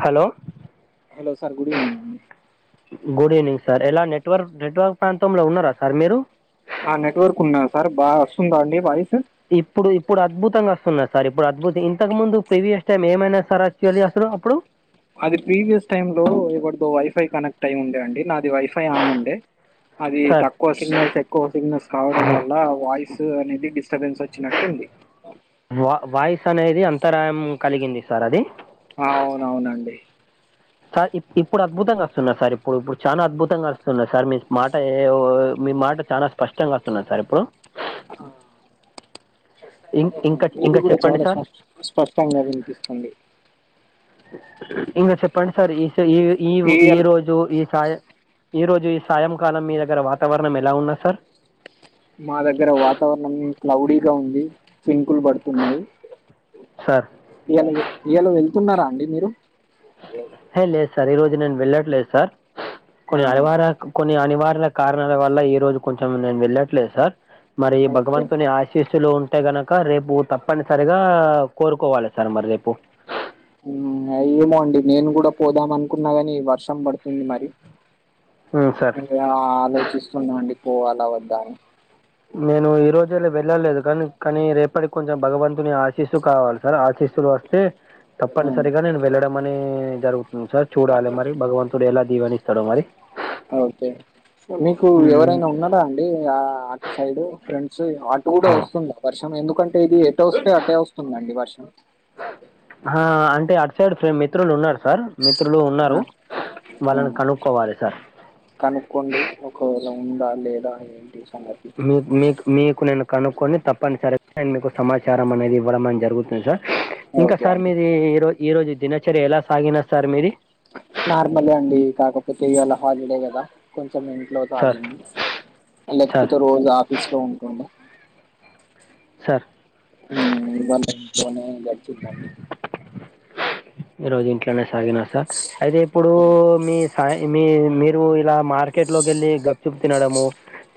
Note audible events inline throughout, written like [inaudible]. Hello hello sir good evening? Good evening sir ఎలా network network ప్రాంతంలో ఉన్నారా సార్ మీరు? ఆ నెట్వర్క్ ఉన్నా సార్ బాగా వస్తుందా అండి మాది ఇప్పుడు ఇప్పుడు అద్భుతంగా వస్తున్నారు. సార్ ఇప్పుడు అద్భుతం ఇంతకు ముందు ప్రీవియస్ టైమ్ ఏమైనా సార్ అచ్చివ అసారు అప్పుడు అది ప్రీవియస్ టైమ్ లో ఎవరిదో వైఫై కనెక్ట్ అయి ఉండే అండి నాది వైఫై ఆన్ ఉండే అది సార్ తక్కువ సిగ్నల్స్ ఎక్కువ సిగ్నల్స్ కావడం వల్ల వాయిస్ అనేది డిస్టబెన్స్ వచ్చినట్టు ఉంది. వా వాయిస్ అనేది అంతరాయం కలిగింది సార్ అది అవున అవునండి సార్ ఇప్ ఇప్పుడు అద్భుతంగా వస్తున్నా సార్ ఇప్పుడు ఇప్పుడు చాలా అద్భుతంగా వస్తున్నా సార్ మీ మాట ఏ ఓ మీ మాట చాలా స్పష్టంగా వస్తున్నా సార్ ఇప్పుడు ఆ ఇం- ఇంకా మీది ఇంకా కూడా చెప్పండి చాలా సార్ స్పష్ట స్పష్టంగా వినిపిస్తుంది ఇంకా చెప్పండి సార్ ఈ ఈ ఈ ఈ ఈయల్ రోజు ఈ సాయ ఈరోజు ఈ సాయంకాలం మీ దగ్గర వాతావరణం ఎలా ఉన్నది సార్ మా దగ్గర వాతావరణం క్లౌడీగా ఉంది చినుకులు పడుతున్నాయి సార్ ఇయాల ఇయాల వెళ్తున్నారా అండి మీరు ఏ లేదు సార్ ఈరోజు నేను వెళ్ళట్లేదు సార్ ఆ, కొన్ని అనివార కొన్ని అనివార కారణాల వల్ల ఈ రోజు కొంచెం నేను వెళ్ళట్లేదు సార్ మరి ఓకే భగవంతుని ఆశీస్సులు ఉ అే గనక రేపు తప్పనిసరిగా కోరుకోవాలి సార్ మరి రేపు అ్యేమో అండి నేను కూడా పోదాం అనుకున్నా కానీ వర్షం పడుతుంది మరి ఉమ్, సార్ ఆలోచిస్తున్నాండి పోవాల వద్దా అని నేను ఈ రోజులా వెళ్ళలేదు కానీ కానీ రేపటికి కొంచెం భగవంతుని ఆశిస్తూ కావాలి సార్ ఆశీస్ ఇప్పుడు వస్తే హ్మ్. తప్పనిసరిగా నేను వెళ్ళడం అనే జరుగుతుంది సార్ చూడాలి మరి భగవంతుడు ఎలా దీవని చాడో మరి ఓకే మీకు మ్మ్. ఎవరైనా ఉన్నారా అండి ఆ అటు సైడ్ ఫ్రంట్ సో అటు కూడా వస్తుంది వర్షం ఎందుకంటే ఇది ఎట వస్తే అటే వస్తుందండి వర్షం ఆ అంటే అటు సైడ్ ఫ్ర మిత్రులు ఉన్నారు సార్ మిత్రులు ఆ! ఉన్నారు ఆ వాళ్ళని కనుక్కోవాలి సార్ కనుక్కోండి ఒకవేళ ఉందా లేదా ఏంటి సంగతి. మీ మీ మీకు నేను కనుక్కొని తప్పనిసరిగాడ్ మీకు సమాచారం అనేది ఇవ్వమని జరిగింది జరుగుతుంది సార్ ఇంకా ఓకే సార్ అండి. మీది ఈరో ఈ రోజు దినచర్య ఎలా సాగిన సార్ మీది నార్మలే అండి కాకపోతే ఇవాళ హాలిడే కదా కొంచ ఇంట్లో సార్ తాగింది సార్ లేకపోతే రోజు ఆఫీస్ లో ఉంటుండే సార్ ఇ వంట ఇంటిలోనే గడిచిపోయింది ఈ రోజు ఇంట్లోనే సాగిన సార్ అయితే ఇప్పుడు మీ సా మీ మీరు ఇలా మార్కెట్ లోకి వెళ్ళి గప్ప చూపు తినడము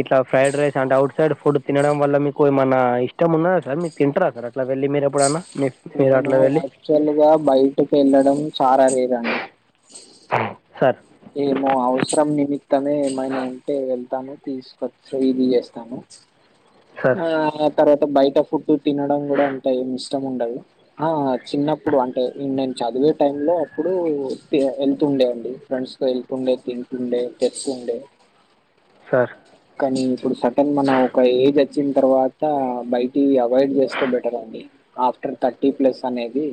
ఇట్లా ఫ్రైడ్ రైస్ అంటే అఔట్ సైడ్ ఫుడ్ తినడం వల్ల మీకు ఏమన్నా ఇష్టం ఉన్నా సార్ మీరు తింటారా సార్ అట్లా వెళ్ మీర్ ఎప్పుడన్నా మీ మీరు నేను అట్లా వెళ్ళి యాక్చువల్ గా బయటకి వెళ్ళడం చాలా రేర్ అండి సార్ ఏమో అవసరం నిమిత్తమే ఏమైనా ఉంటే వెళ్త తాను తీసుకొచ్చ ఇది చేస్తాము సార్ ఆ తర్వాత బయట ఫుడ్ తినడం కూడా అంత ఎం ఇష్టం ఉండదు ఆ చిన్నప్పుడు అంటే నేను చదివే టై లో అప్పుడు వెళ్తుండే అండి ఫ్రెండ్స్ వెళ్తు ఉండే తింటుండే తెస్తుండే సార్ కానీ ఇప్పుడు సటన్ మన ఒక ఏజ్ వచ్చిన తర్వాత బయటి అవాయిడ్ చేస్తే బెటర్ అండి ఆఫ్టర్ థర్టీ ప్లస్ అనేది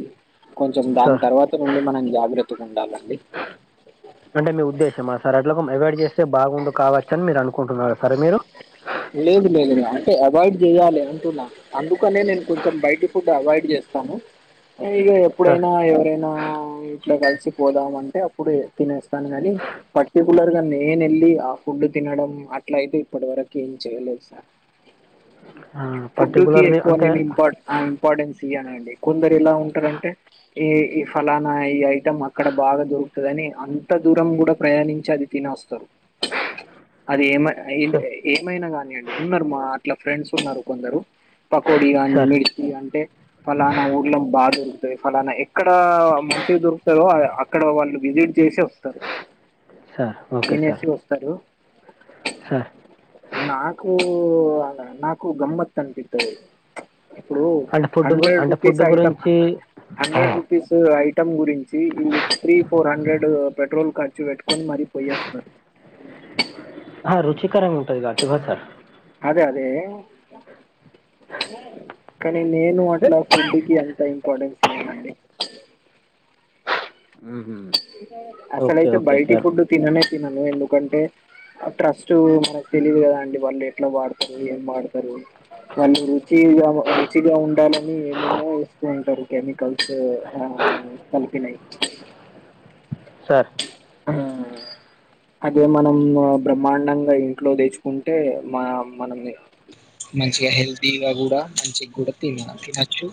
కొంచెం దాని సార్ తర్వాత నుండి మనం జాగ్రత్తగా ఉండాలి అంటే మీ ఉద్దేశమా సార్ అట్లో అవాయిడ్ చేస్తే బాగుండు కావచ్చ అని మీరు అనుకుంటున్నారు లేదు లేదు అవాయిడ్ చేయాలి అంటున్నాను అందుకనే నేను కొంచెం బయటి ఫుడ్ అవాయిడ్ చేస్తాను ఇక సార్ ఎప్పుడైనా ఎవరైనా ఇట్లో కలిసి పోదామ అంటే అప్పుడు తినేస్తాను కాని పర్టికులర్ గా నేన వెళ్ళి ఆ ఫుడ్ తినడం అట్ల అయితే ఇప్పటి వరకు ఏం చేయలే సార్ ఫుడ్ కి పర్టికులర్లీ ఎక్కువ అంటే నను ఇంపార్ ఆ ఇంపార్టెన్స్ సియనా అండి కొందరు ఎలా ఉంటారంటే ఈ ఈ ఫలానా ఈ ఐటెం అక్కడ బాగా దొరుకుతదని అంత దూరం కూడా ప్రయాణించి అది తిని వస్తరు అది ఏమ సార్ ఏ ఏమైనా గానియండి ఉన్నారు మా అట్లా ఫ్రెండ్స్ ఉన్నారు కొందరు పకోడి గాని సార్ మిర్చి అంటే ఫలానా ఊర్లో బాగ దొరుకుతయ్ ఫలానా ఎక్కడా మంచిగ దొరుకుతదో అక్కడ వాళ్ళు చేసే వస్తరు సార్ ఓకే సార్ తినేసి వస్తరు సార్ నాకూ నాకు గమ్మత్ అనిపిత్తది ఇప్పుడు అంటే ఫుడ్ గు- హండ్రెడ్ అంటే రూపీస్ ఫుడ్ ఐటమ్ గురించి హండ్రెడ్ రూపీస్ ఐ టం గురించి వీళ్ళు త్రీ ఫోర్ హండ్రెడ్ పెట్రోల్ ఖర్చు పెట్టుకొన్ మరీ పోయ్య వస్తరు హా రుచికరంగ ఉంటదిగ [unintelligible] సార్ అదే అదే కానీ నేను అట్లా ఫుడ్ కి అంత ఇంపార్టెన్స్ ఇయ్యనండి ఓకే అసలయితే ఓకే బయటి సార్ ఫుడ్ తిననే తినను ఎందుకంటే ట్రస్ట్ మనకు తెలీదు కదా అండి వాళ్ళు ఎట్ల వాడతరు ఏం వాడతరు వాళ్ళు రుచిగా రుచిగా ఉండాలని ఏమేమో ఏస్తూ ఉంటరు కెమికల్స్ ఆ ఆ కలిపినయ్ సార్ ఆ అదే మనం బ్రహ్మాండంగా ఇంట్లో తెచ్చుకుంటే మ మనని మంచిగ హెల్దిగా కూడా మంచిగూడ తిన తినచ్చు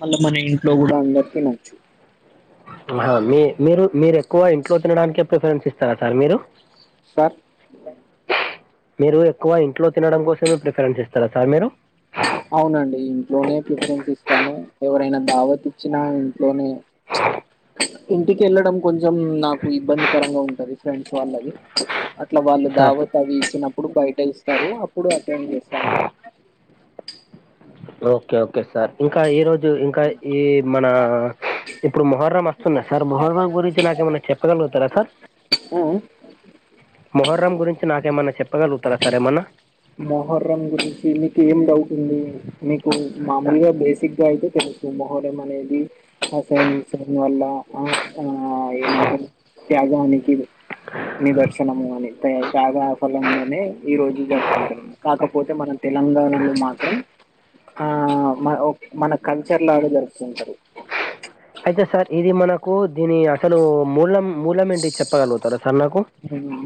మళ్ళా మన ఇంట్లో గూడా తినచ్చు మీ మీరు మీరు ఎక్కువ ఇంట్లో తినడానికే ప్రిఫరెన్స్ ఇస్తారా సార్ మీరు సార్ మీరు ఎక్కువ ఇంట్లో తినడం కోసమే ప్రిఫరెన్స్ ఇస్తార సార్ మీరు అవునండి ఇంట్లోనే ప్రిఫరెన్స్ ఇస్తాను ఎవరైనా దావత్ ఇచ్చినా ఇంట్లోనే ఇంటికి వెళ్ళడం కొంచెం నాకు ఇబ్బందికరంగా ఉంటది ఫ్రెండ్స్ వాళ్ళవి అట్లా వాళ్ళు సార్ దావత్ అవి ఇచ్చినప్పుడు బయట ఇస్తారు అప్పుడు అటెండ్ చేస్తాను ఓకే ఓకే సార్ ఇంకా ఈరోజు ఇంకా ఈ మనా ఇప్పుడు మొహర్రమ్ వస్తున్నా సార్ మొహర్రమ్ గురించి నాకేమైనా చెప్పగలుగుతారా సార్ ఉ మొహర్రమ్ గురించి నాకేమన్నా చెప్పగలుగుతారా సర్ ఏమనా మీకి ఏం డౌ ఉంది మీకు మామూలుగా బేసిక్గా అయితే తెలుసు మహోరం అనేది అసైను వల్ల ఆ ఆ ఏమంటరు త్యాగానికి ఇది నిదర్శనము అని తాగా ఫలంగానే ఈ రోజు జరుపుకుంటుం కాకపోతే మనం లంగాణ మా ఆ మ మన కల్చర్ లాగా జరుపుతు ఉంటరు అయితే సార్ ఇది మనకు దీని అసలు మూలం మూలం ఏంటి చెప్పగలుగుతార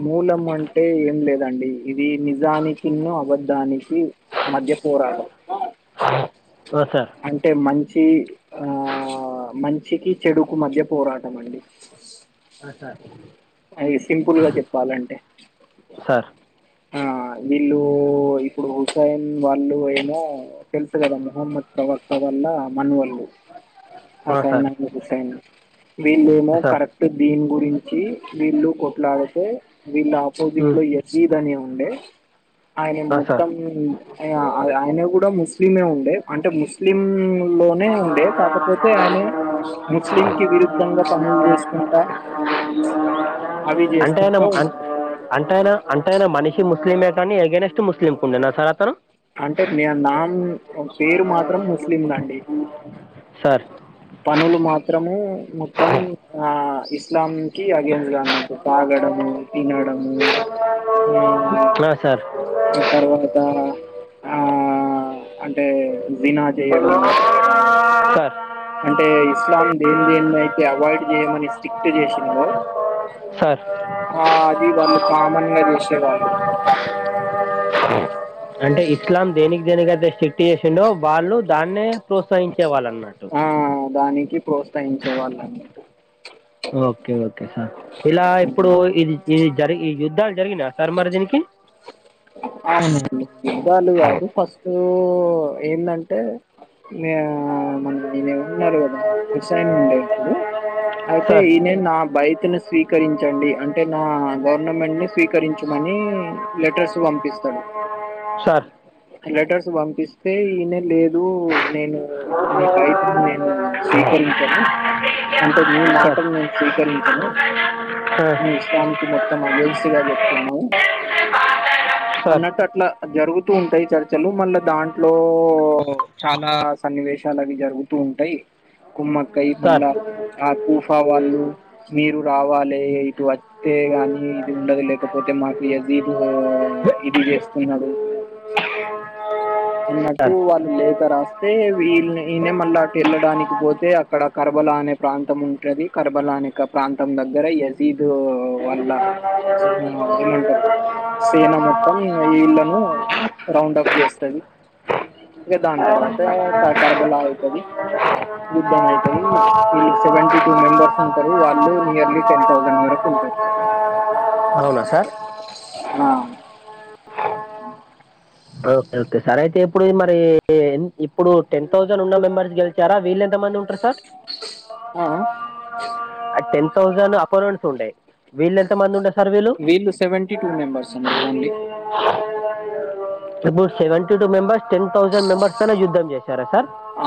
మూలమ అంటే ఏం లేదండి ఇది నిజానికిన్ను అబద్ధానికి మధ్య పోరాటం హ అంటే మంచి ఆ మంచికి చెడుకు మధ్య పోరాటం అండి సార్ అది సింపుల్గా చెప్పాలంటే సార్ ఆ వీళ్ళు ఇప్పుడు హుస్సైన్ వాళ్ళు అయినా తెలుసు కదా మహమ్మద్ ప్రవాక్ అప్ప వల్ల మనవళ్ళు ఆ, సార్ హసైనడి హసైనా వీళ్ళ ఏమో ఆ, సార్ కరెక్ట్ దీని గురి వచ్చి వీళ్ళు కొట్లాడితే వీళ్ళ ఆపోజిట్ ఉమ్, లో ఎయసీద్ అని ఉండే ఆయన ఆ, సార్ మొత్తం ఇగ అ ఆయన కూడా ముస్లిమే ఉండే అంటే ముస్లిం లోనే ఉండే కాకపోతే ఆయనే ముస్లింకి విరుద్ధంగా పనులు చేసుకుంటా ఉ అవి అంటేయన చేసుకుంటా ఉ అన్ అంటాయనా అన్ ఎంతయినా మనిషి ముస్లిమే కానీ అగేన్స్ట్ ముస్లింకు ఉండినా సార్ అతను అంటే మీ నాన్న పేరు మాత్రం ముస్లిం దండి సార్ పనులు మాత్రము మొత్తం ఆ ఇస్లాం కి అగేన్స్ట్ గా అన్నట్టు తాగడం. ము తినడము బా ఆ ఆ తర్వాత ఆ అంటే దినా చేయడము సార్ అంటే ఇస్లాం దేని దేని అయితే అవాయిడ్ చేయమని స్ట్రిక్ట్ చేసిందో సార్ ది వాళ్ళు కామన్ గా చేసే వాళ్ళు అంటే ఇస్లాం దేనికి దేనికి అయితే స్ట్రిక్ట్ చేసిండో వాళ్ళు దాన్నే ప్రోత్సహించే వాళ్ళన్నట్టు ఆ దానికి ప్రోత్సహించే వాళ్ళ ఓకే ఓకే సార్ ఇలా ఇప్పుడు ఇది ఇది జరిగి ఈ యుద్ధాలు జరిగినా సార్ మరి దీనికి అవునండి యుద్ధాలు కాదు ఫస్ట్ ఏందంటే నే ఆ మన ఆయనమన్నారు కదా రుసయన్ ఉండే అప్పుడు అయితే సార్ ఈయనే నా బయట ని స్వీకరించండి అంటే నా గవర్నమెంట్ ని స్వీకరిం చమని లెటర్స్ పంపిస్తాడు. సార్ ఆ లెటర్స్ పంపిస్తే ఈయనే లేదు నేను నీ బయటని నేను స్వీకరించను. అంటే సార్ నీ ఆ, మాటను నేను స్వీకరించను. ను ఇస్లాంకి మొత్తం అగేనెస్ట్గా చెప్తున్నావు సార్ అన్నట్టు అట్లా జరుగుతూ ఉంటాయి చర్చలు మళ్ళా దాంట్లో చాలా సన్నివేశాలు అవి జరుగుతూ ఉంటాయి కుమ్మకాయ సార్ సార్ మళ్ళా ఆ కుఫా వాళ్ళు మీరు రావాలి ఇటు వస్తే గాని ఇది ఉండదు లేకపో పోతే మాకు ఎజిదు ఇది చేస్తున్నాడు. ఆ అన్నట్టు వాళ్ళు లేఖ రాస్తే వీ ఈయనే మళ్ళా అటు వెళ్ళడానికి పోతే అక్కడ కరబల దానే ప్రాంతం ఉంటది కర్బలాని ప్రాంతం దగ్గర యజీద్ వల్ల అ ఆ ఏమంటారు సేన మొత్తం ఇళ్ళను రౌండ్ అప్ చేస్తది ఇగ దాన్ తర్వాత తర్ కరబలా అగుతది యుద్ధం అయితది ఇళ్ళు సెవెంటీ టూ మెంబర్స్ ఉంటారు వాళ్ళు నియర్లీ టెన్ థౌసండ్ వరకు ఉంటద్ అవునా సార్ ఆ ఓకే ఓకే సార్ అయితే ఇప్పుడు మరి ఇప్పుడు టెన్ థౌసన్ ఉన్న మెంబర్స్ గెలిచారా వీళ్ళ త మంది ఉంటర్ సార్ ఆ అ టెన్ తౌసండ్ [unintelligible] ఉండే వీళ్లెంత మంది ఉండే సార్ వీళ్ళు సెవెంటీ టూ మెంబర్స్ అండి ఓన్లీ ఇప్పుడ్ seventy two members ten thousand members పైన యుద్ధం చేస్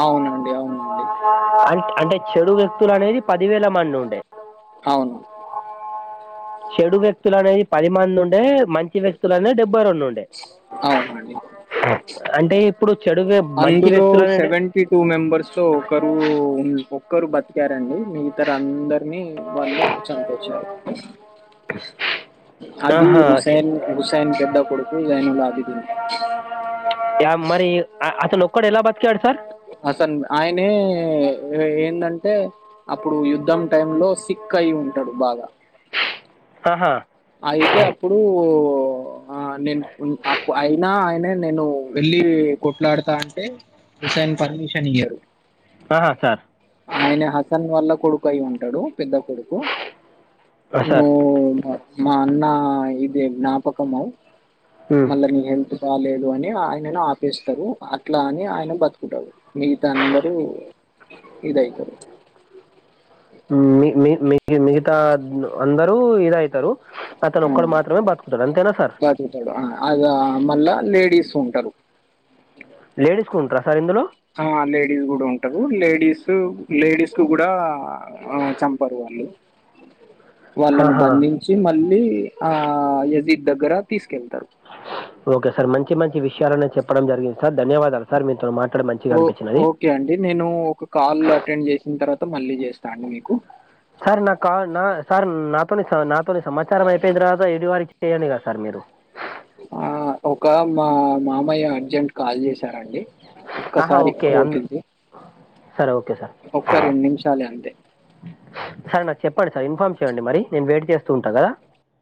అవునండి అవునండి అం- అంటే చెడు వ్యక్తులు అనేది పదివేల మంది ఉండే అవును చెడు వ్యక్తులు అనేది పది మంది ఉండే మంచి వ్యక్తులనే డెబ్బైరెండు ఉండే అవునండి అంటే ఇప్పుడు చెడు వ్య- మంచి అందులో వ్యక్తులు అనేది సెవెంటీ టూ మెంబర్స్ తో ఒకరు ఒక్కరు బతికార్ అండి మిగతర అందరినీ వాళ్ళు చంపేచారు అది ఆహా, స- హుస్సైన్ హుసైన్ పెడ్ద్ద కొడుకు లైనుండా అదిథి నీ య మరి అతన్ ఒక్కడ్ ఎలా బత్ అతన్ ఆయనే ఎ ఏందంటే అప్పుడు యుద్ధం టైమ్ లో సిక్కయి ఉంటాడు బాగా ఆహా అయితే అప్పుడు ఆ నేన్ ఉ అప్ అయినా ఆయన నేను వెళ్ళి కొట్లాడతా అంటే హుస్సైన్ పర్మిషన్ ఇయ్యారు ఆహా సార్ ఆయన హసన్ వల్ల కొడుకు అయి ఉంటాడు పెద్ద కొడుకు అ సార్ నువ్వు మా మా అన్న ఇది జ్ఞాపకమ ఉమ్. మళ్ళా నీ ఎంతు రాలేదు అని ఆయనను ఆపేస్తారు అట్లా అని ఆయన బతుకుంటడు మిగతా అందరూ ఇదయితరు మి మి మిగతా అందరు ఇదయితారు అ సార్ బతుకుతడు అద మళ్ళ లేడీ సుంటరు లేడీస్కుంటార సార్ ఇందులో ఆ లేడీస్ గుడా ఉంటరు లేడీస్ లేడీస్క్ గుడా ఆ చంపరు అలో వాళ్ళని ఆహా బంధించి మళ్ళీ ఆ యజీద్ దగ్గర తీసుకెళ్తారు ఓకే సార్ మంచి మంచి విషయాలనే చెప్పడం జరిగింది సార్ ధన్యవాదాలు సార్ మీతో మా ఓ ఓకే అండి నేను ఒక కాల్ అటెండ్ చేసిన తర్వాత మళ్ళీ చేస్తా అండి మీకు సార్ నా కా నా సార్ నాతోని నాతోని సమాచారం అయిపోయింద్రత [unintelligible] చేయండి గదా సార్ మీరు ఆ ఒక మా మామయ్య అర్జెంట్ కాల్ చేసారండి ఆహా ఒక్కసారి ఓకే అంద తింది సరే ఓకే సార్ ఒక్క రెండ్ నిమిషాలే అంతే సార్ నాకు చెప్పండి సార్ ఇన్ఫార్మ్ చేయండి మరి నేను వెయిట్ జేస్తూ ఉంటా కదా